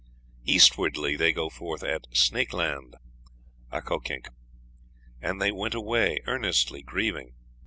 Eastwardly they go forth at Snakeland (Akhokink), and they went away earnestly grieving."